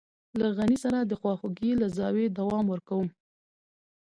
له غني سره د خواخوږۍ له زاويې دوام ورکوم.